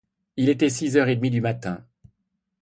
Il était six heures et demie du matin.